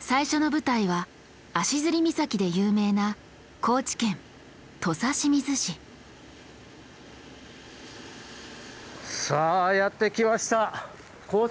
最初の舞台は足岬で有名なさあやって来ました高知県！